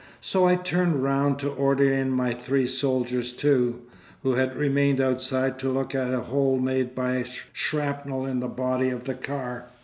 So I turn round to order in my three soldiers too, who had remained outside to look at a hole made by shrapnel in the body of the car.